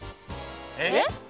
えっ？